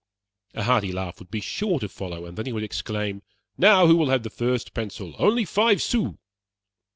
A hearty laugh would be sure to follow, and then he would exclaim: "Now who will have the first pencil only five sous."